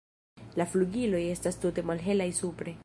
La flugiloj estas tute malhelaj supre.